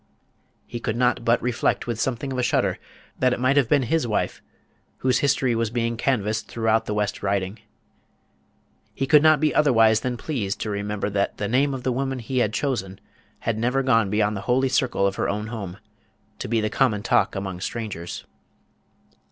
He could not but reflect with something of a shudder that it might have been his wife whose history was being canvassed throughout the West Riding. He could not be otherwise than pleased to remember that the name of the woman he had chosen had never gone beyond the holy circle of her own home, to be the common talk among strangers.